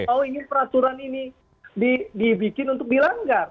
kalau ingin peraturan ini dibikin untuk dilanggar